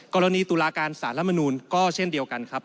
กรณีตุลาการสารรัฐมนูลก็เช่นเดียวกันครับ